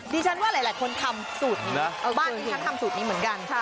ดิฉันว่าหลายคนทำสูตรนี้นะบ้านที่ฉันทำสูตรนี้เหมือนกัน